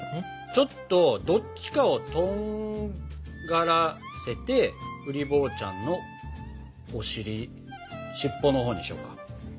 ちょっとどっちかをとんがらせてうり坊ちゃんのお尻尻尾のほうにしようか。